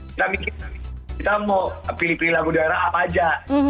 kita mikir kita mau pilih pilih lagu daerah apa aja